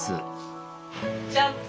ジャンプ。